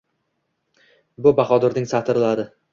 …Bu Bahodirning satrlari.